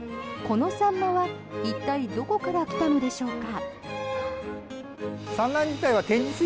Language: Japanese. このサンマは一体どこから来たのでしょうか。